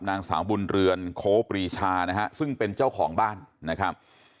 นางสาวบุญเรือนโคปรีชานะฮะซึ่งเป็นเจ้าของบ้านนะครับ